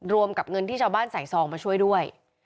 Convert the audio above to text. รวมกับเงินที่ชาวบ้านใส่ซองมาช่วยด้วย